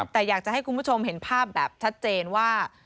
แต่อยากจะให้คุณผู้ชมเห็นภาพแบบชัดเจนว่า